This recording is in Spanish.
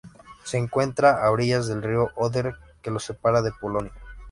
Se encuentra a orillas del río Oder que lo separa de Polonia.